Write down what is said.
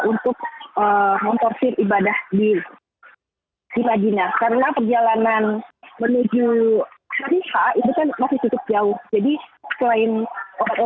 untuk memperbaiki tenaga medis ini dan juga melakukan pendekatan psikologis di rombongan saya